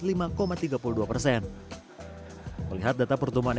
melihat data pertumbuhan ekonomi sebenarnya indonesia masuk ke dalam perusahaan